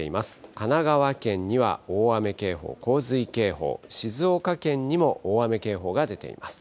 神奈川県には大雨警報、洪水警報、静岡県にも大雨警報が出ています。